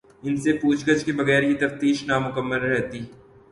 ان سے پوچھ گچھ کے بغیر یہ تفتیش نامکمل رہتی۔